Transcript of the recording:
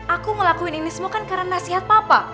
aku ngelakuin ini semua kan karena nasihat papa